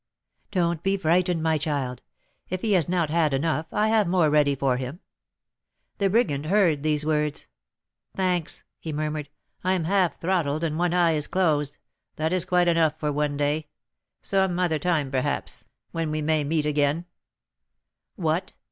"Don't be frightened, my child; if he has not had enough, I have more ready for him." The brigand heard these words. "Thanks," he murmured; "I'm half throttled, and one eye is closed, that is quite enough for one day. Some other time, perhaps, when we may meet again " "What!